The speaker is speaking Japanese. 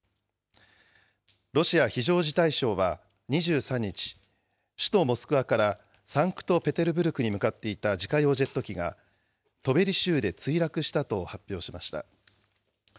ロシア非常事態省は２３日、首都モスクワからサンクトペテルブルクに向かっていた自家用ジェット機が、トベリ州で墜落したと発表しました。